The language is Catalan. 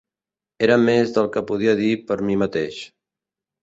Era més del que podia dir per mi mateix.